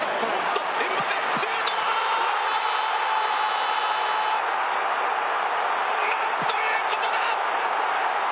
なんということか！